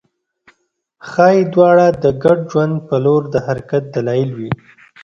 ښايي دواړه د ګډ ژوند په لور د حرکت دلایل وي